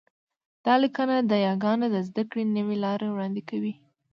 دا لیکنه د یاګانو د زده کړې نوې لار وړاندې کوي